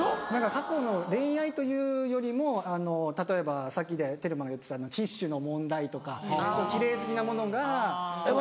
過去の恋愛というよりも例えばさっきテルマが言ってたティッシュの問題とか奇麗好きなものがとか。